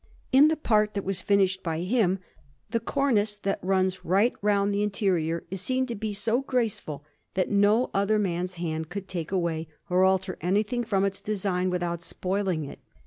In the part that was finished by him, the cornice that runs right round the interior is seen to be so graceful, that no other man's hand could take away or alter anything from its design without spoiling it.